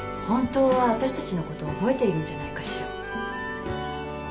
本当は私たちのこと覚えているんじゃないかしら。